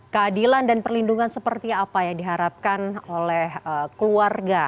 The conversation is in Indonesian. keadilan dan perlindungan seperti apa yang diharapkan oleh keluarga